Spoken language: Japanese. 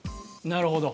なるほど！